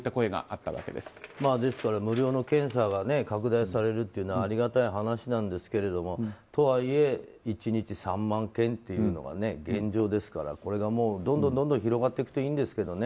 ですから、無料の検査が拡大されるというのはありがたい話なんですけれどもとはいえ１日３万件というのが現状ですから、これがどんどん広がっていくといいんですけどね。